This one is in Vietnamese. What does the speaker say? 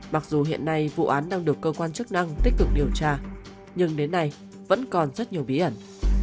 mặc dù hiện nay vụ án đang được cơ quan chức năng tích cực điều tra nhưng đến nay vẫn còn rất nhiều bí ẩn